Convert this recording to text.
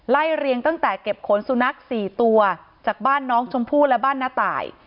เรียงตั้งแต่เก็บขนสุนัข๔ตัวจากบ้านน้องชมพู่และบ้านน้าตาย